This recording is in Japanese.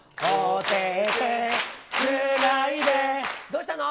どうしたの？